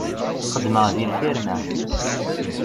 Xeddmeɣ deg lfirma.